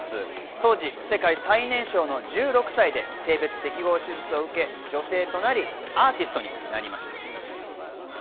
当時、世界最年少の１６歳で性別適合手術を受け女性となりアーティストになりました。